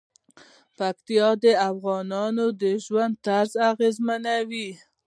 پکتیا د افغانانو د ژوند طرز اغېزمنوي.